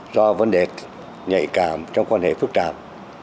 do vấn đề nhạy cảm trong quan hệ phức trạng